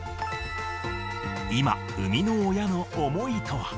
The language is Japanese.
今、生みの親の思いとは。